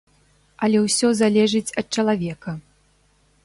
Але ўсё залежыць ад чалавека.